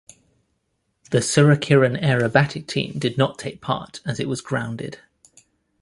The Suryakiran aerobatic team did not take part as it was grounded.